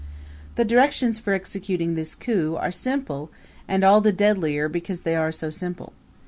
The directions for executing this coup are simple and all the deadlier because they are so simple.